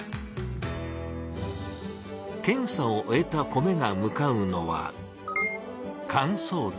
検査を終えた米が向かうのは乾燥機。